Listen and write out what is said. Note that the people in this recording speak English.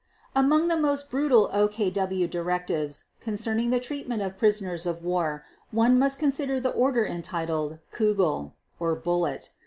Among the most brutal OKW directives concerning the treatment of prisoners of war one must consider the order entitled "Kugel (bullet)".